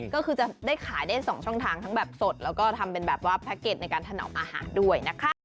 ก็คือจะได้ขายได้๒ช่องทางทั้งแบบสดแล้วก็ทำเป็นแบบว่าแพ็กเกจในการถนอมอาหารด้วยนะคะ